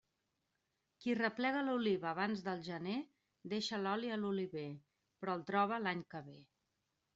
Qui replega l'oliva abans del gener deixa l'oli a l'oliver, però el troba l'any que ve.